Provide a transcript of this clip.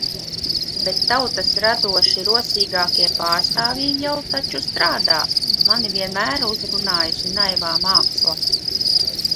Bet tautas radoši rosīgākie pārstāvji jau taču strādā! Mani vienmēr uzrunājusi naivā māksla.